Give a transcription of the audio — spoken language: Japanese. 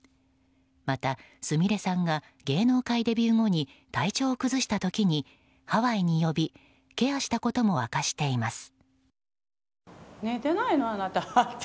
また、すみれさんが芸能界デビュー後に体調を崩した時にハワイに呼び、ケアしたことも明かしています。